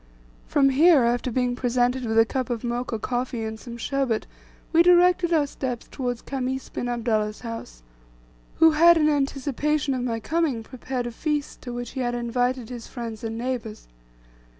From here, after being presented with a cup of Mocha coffee, and some sherbet, we directed our steps towards Khamis bin Abdullah's house, who had, in anticipation of my coming, prepared a feast to which he had invited his friends and neighbours.